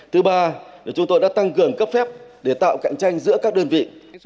thứ ba là chúng tôi đã tăng cường cấp phép để tạo cạnh tranh giữa các đơn vị